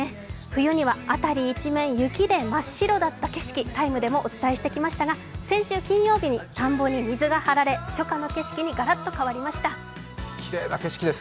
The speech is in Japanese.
冬には辺り一面雪で真っ白だった景色、「ＴＩＭＥ，」でもお伝えしてきましたが先週金曜日に田んぼに水が張られ、初夏の景色にガラッと変わりました。